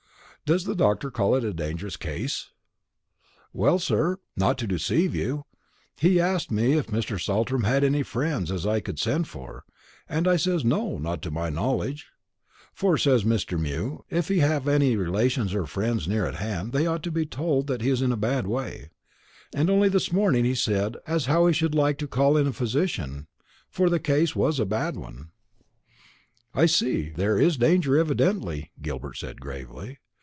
"Does the doctor call it a dangerous case?" "Well, sir, not to deceive you, he ast me if Mr. Saltram had any friends as I could send for; and I says no, not to my knowledge; 'for,' says Mr. Mew, 'if he have any relations or friends near at hand, they ought to be told that he's in a bad way;' and only this morning he said as how he should like to call in a physician, for the case was a bad one." "I see. There is danger evidently," Gilbert said gravely.